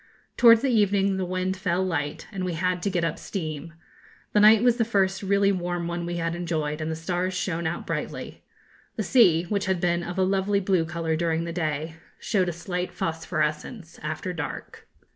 Towards evening the wind fell light, and we had to get up steam. The night was the first really warm one we had enjoyed, and the stars shone out brightly. The sea, which had been of a lovely blue colour during the day, showed a slight phosphorescence after dark.